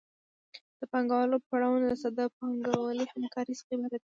د پانګوالي پړاوونه له ساده پانګوالي همکارۍ څخه عبارت دي